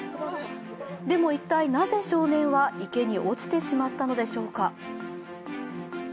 でも一体、なぜ少年は池に落ちてしまったのでしょうか。